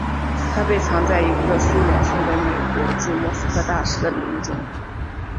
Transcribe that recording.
它被藏在一个苏联送给美国驻莫斯科大使的礼物中。